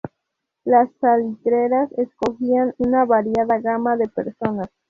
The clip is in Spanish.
Las salitreras acogían una variada gama de personas.